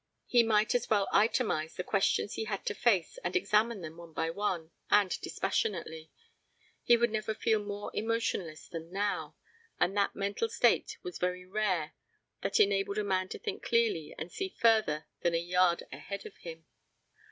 He might as well itemize the questions he had to face and examine them one by one, and dispassionately. He would never feel more emotionless than now; and that mental state was very rare that enabled a man to think clearly and see further than a yard ahead of him.